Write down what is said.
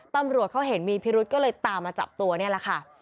ตำรวจเขาเห็นมีพิรุธก็เลยตามมาจับตัวนี่แหละค่ะ